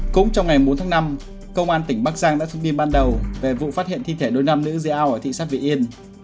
cũng trong ngày bốn tháng năm công an tỉnh bắc giang đã thông tin ban đầu về vụ phát hiện thi thể đôi nam nữ dưới ao ở thị xã vị yên